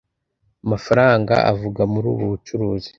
Amafaranga avuga muri ubu bucuruzi.